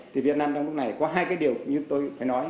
thì việt nam trong lúc này có hai cái điều như tôi phải nói